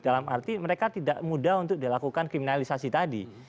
dalam arti mereka tidak mudah untuk dilakukan kriminalisasi tadi